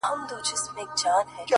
پر كومه تگ پيل كړم،